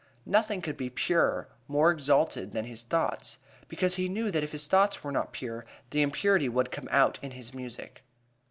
"Nothing could be purer, more exalted, than his thoughts," because he knew that if his thoughts were not pure the impurity would come out in his music.